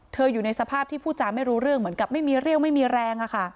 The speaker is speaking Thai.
อยู่ในสภาพที่พูดจาไม่รู้เรื่องเหมือนกับไม่มีเรี่ยวไม่มีแรง